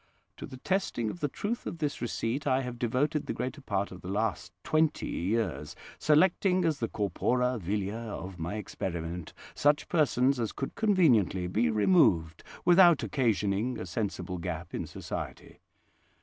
To the testing of the truth of this receipt I have devoted the greater part of the last twenty years, selecting as the corpora vilia of my experiment such persons as could conveniently be removed without occasioning a sensible gap in society.